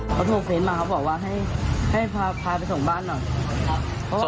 เขาโทรเฟสมาเขาบอกว่าให้พาไปส่งบ้านหน่อย